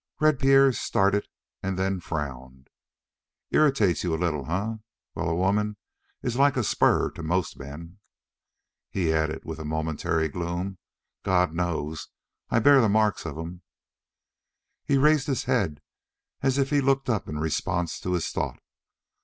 Red Pierre started, and then frowned. "Irritates you a little, eh? Well, a woman is like a spur to most men." He added, with a momentary gloom: "God knows, I bear the marks of 'em." He raised his head, as if he looked up in response to his thought.